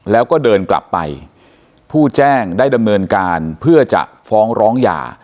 แล้วก็เดินกลับไปผู้แจ้งได้ดำเนินการเพื่อจะฟ้องร้องยา